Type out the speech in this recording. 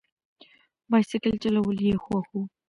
بایسکل چلول یې خوښ و.